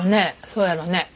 そうやろね